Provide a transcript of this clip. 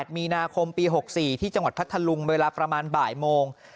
มีนาคมปี๖๔ที่จังหวัดพัทธลุงเวลาประมาณบ่ายโมง